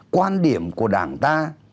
quan điểm của đảng ta